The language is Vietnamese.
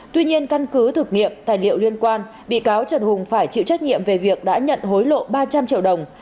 tuy nhiên căn cứ thực nghiệp tài liệu liên quan bị cáo trần hùng phải chịu trách nhiệm về việc đã nhận hối lộ ba trăm linh triệu đồng